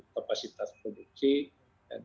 kapasitas produksi dan